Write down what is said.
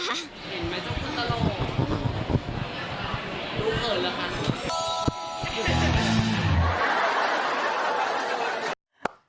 เห็นไหมเจ้าคุณตลก